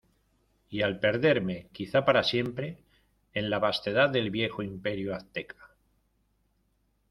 y al perderme, quizá para siempre , en la vastedad del viejo Imperio Azteca